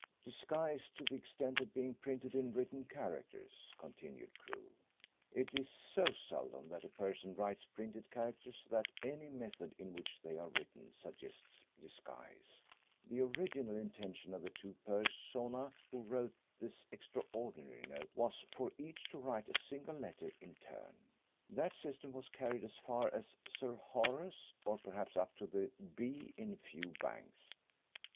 "Disguised to the extent of being printed in written characters," continued Crewe. "It is so seldom that a person writes printed characters that any method in which they are written suggests disguise. The original intention of the two persona who wrote this extraordinary note was for each to write a single letter in turn. That system was carried as far as 'Sir Horace' or, perhaps, up to the 'B' in 'Fewbanks.'